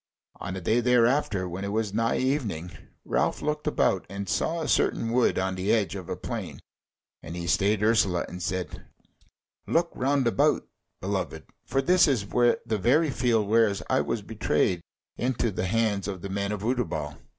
On a day thereafter when it was nigh evening, Ralph looked about, and saw a certain wood on the edge of a plain, and he stayed Ursula, and said: "Look round about, beloved; for this is the very field whereas I was betrayed into the hands of the men of Utterbol."